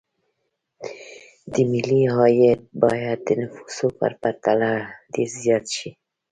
ملي عاید باید د نفوسو په پرتله ډېر زیات شي.